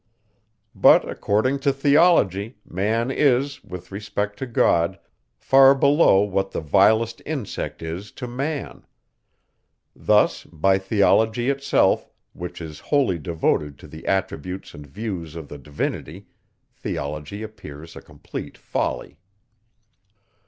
But, according to theology, man is, with respect to God, far below what the vilest insect is to man. Thus, by theology itself, which is wholly devoted to the attributes and views of the Divinity, theology appears a complete folly.